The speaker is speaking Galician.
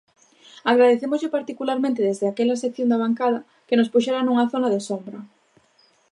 Agradecémoslle particularmente desde aquela sección da bancada que nos puxera nunha zona de sombra.